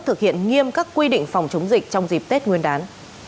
thực hiện nghiêm các quy định phòng chống dịch trong dịp tết nguyên đán